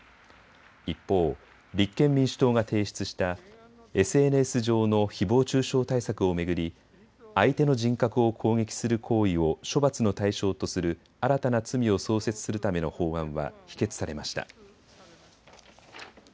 一方、立憲民主党が提出したＳＮＳ上のひぼう中傷対策を巡り相手の人格を攻撃する行為を処罰の対象とする新たな罪を創設するための法案は否決されました。